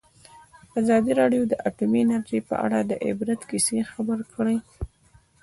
ازادي راډیو د اټومي انرژي په اړه د عبرت کیسې خبر کړي.